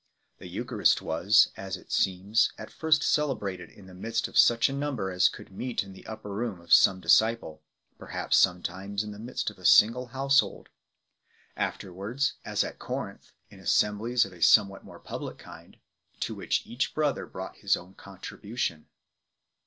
The Eucharist was, as it seems, at first cele brated in the midst of such a number as could meet in the "upper room" of some disciple, perhaps sometimes in the midst of a single household ; afterwards, as at Corinth, in assemblies of a somewhat more public kind, to which each brother brought his own contribution 5